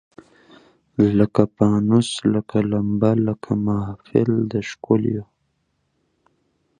لکه پانوس لکه لمبه لکه محفل د ښکلیو